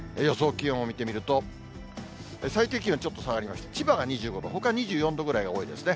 気温を見てみると、最低気温、ちょっと下がりまして、千葉が２５度、ほか２４度ぐらいが多いですね。